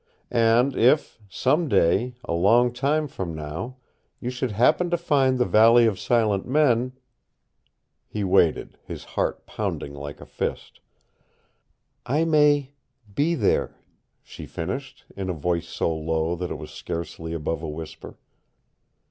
And if some day, a long time from now you should happen to find the Valley of Silent Men " He waited, his heart pounding like a fist. "I may be there," she finished, in a voice so low that it was scarcely above a whisper.